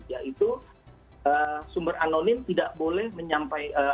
yaitu sumber anonim tidak boleh menyampaikan